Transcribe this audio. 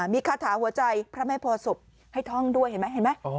มีคาถาหัวใจพระแม่โพศพให้ท่องด้วยเห็นไหมเห็นไหม